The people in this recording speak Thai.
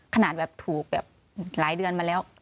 ขนาดแบบถูกแบบหลายเดือนมาแล้ว